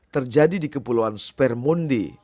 terjadi di kepulauan spermunde